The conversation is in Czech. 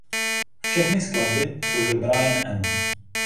Všechny skladby složil Brian Eno.